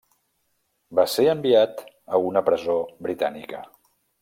Va ser enviat a una presó britànica.